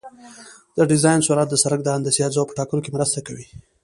د ډیزاین سرعت د سرک د هندسي اجزاوو په ټاکلو کې مرسته کوي